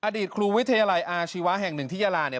อดีตครูวิทยาลัยอาชีวะแห่งหนึ่งที่ยาลาเนี่ย